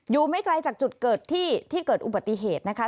ไม่ไกลจากจุดเกิดที่เกิดอุบัติเหตุนะคะ